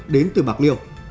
đến từ bạc liêu